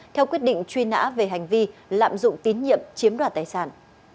theo quyết định truy nã về hành vi lạm dụng tín nhiệm chiếm đoạt tài sản